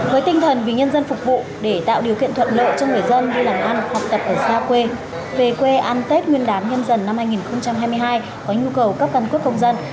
với tinh thần vì nhân dân phục vụ để tạo điều kiện thuận lợi cho người dân đi làm ăn học tập ở xa quê về quê ăn tết nguyên đán nhân dần năm hai nghìn hai mươi hai có nhu cầu cấp căn cước công dân